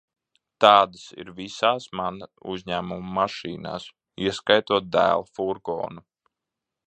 Tādas ir visās mana uzņēmuma mašīnās, ieskaitot dēla furgonu.